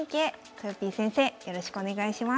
とよぴー先生よろしくお願いします。